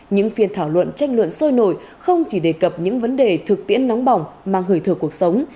những phiên thảo luận tranh luận sôi nổi không chỉ đề cập những vấn đề thực tiễn nóng bỏng mang hơi thở cuộc sống